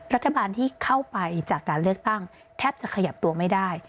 รัฐบาลที่เข้าไปจากการเลือกตั้งแทบจะขยับตัวไม่ได้